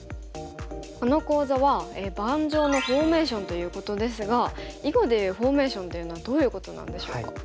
この講座は「盤上のフォーメーション」ということですが囲碁でいうフォーメーションというのはどういうことなんでしょうか？